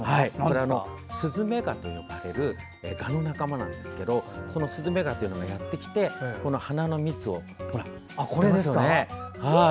スズメガと呼ばれるガの仲間なんですけどスズメガというのがやってきて花の蜜を吸ってますよね。